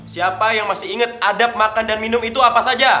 siapa yang masih ingat adab makan dan minum itu apa saja